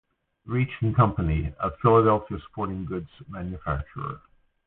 Reach and co., a Philadelphia sporting goods manufacturer.